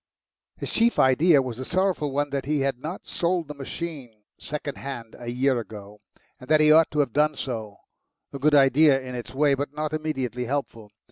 His chief idea was the sorrowful one that he had not sold the machine second hand a year ago, and that he ought to have done so a good idea in its way, but not immediately helpful.